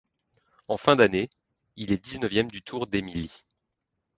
En fin d'année, il est dix-neuvième du Tour d'Émilie.